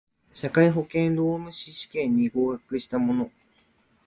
社会保険労務士試験に合格した者